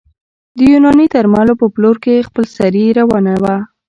د یوناني درملو په پلور کې خپلسري روانه ده